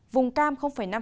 vùng cam năm